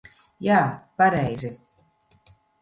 Jā, pareizi.